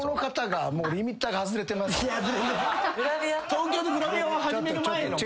東京でグラビアを始める前の子？